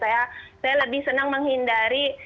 saya lebih senang menghindari